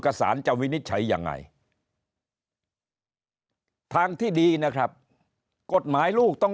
สารจะวินิจฉัยยังไงทางที่ดีนะครับกฎหมายลูกต้อง